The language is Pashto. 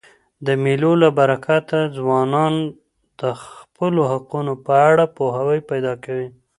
د مېلو له برکته ځوانان د خپلو حقوقو په اړه پوهاوی پیدا کوي.